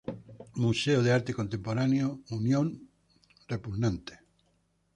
Museo de Arte Contemporáneo Unión Fenosa.